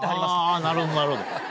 ああなるほどなるほど。